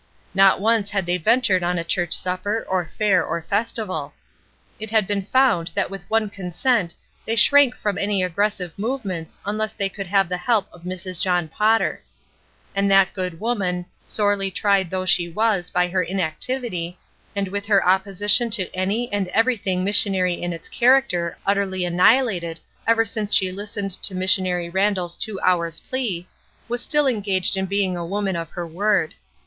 Not once had they ventured on a church supper, or fair, or festival. It had been found that with one consent they ''THE SAME PERSON" 411 shrank from any aggressive movements imless they could have the help of Mrs. John Potter* and that good woman, sorely tried though she was by her inactivity, and with her opposition to any and everything missionary in its char acter utterly annihilated ever since she Ustened to Missionary Randall's two hours' plea, was still engaged in being a woman of her word.